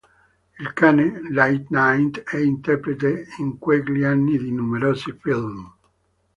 Il cane, Lightning, è interprete in quegli anni di numerosi film.